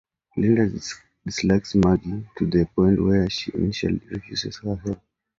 Linda dislikes Maggie to the point where she initially refuses her help.